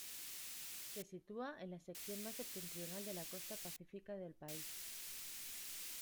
Se sitúa en la sección más septentrional de la costa pacífica del país.